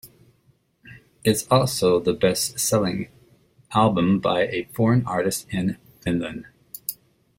It is also the best-selling album by a foreign artist in Finland.